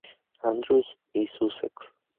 Andrews y Sussex.